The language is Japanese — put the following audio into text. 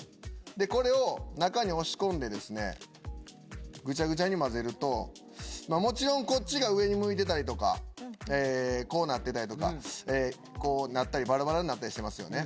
でこれを中に押し込んでですねグチャグチャに交ぜるともちろんこっちが上に向いてたりとかこうなってたりとかこうなったりバラバラになったりしてますよね？